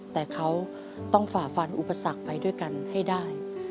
แต่เขาต้องฝ่าฟันอุปสรรคไปด้วยกันให้ได้